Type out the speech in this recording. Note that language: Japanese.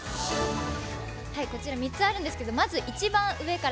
３つあるんですけどまず一番上から。